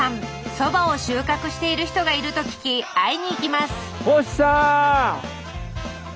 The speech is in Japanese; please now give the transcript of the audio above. そばを収穫している人がいると聞き会いに行きます